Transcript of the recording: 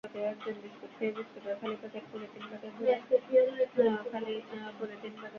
নেসক্যাফিয়ারের এক লাইন সংলাপ আছে শুধু।